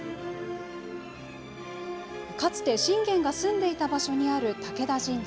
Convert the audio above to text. かつて信玄が住んでいた場所にある武田神社。